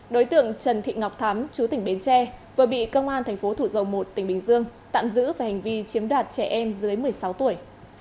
đối tượng trần thị ngọc thắm chú tỉnh bến tre vừa bị công an thành phố thủ dầu một tỉnh bình dương tạm giữ về hành vi chiếm đoạt trẻ em dưới một mươi sáu tuổi